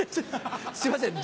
すいません